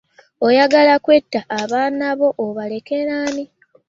Oyagala kwetta abaaana bo obalekera ani?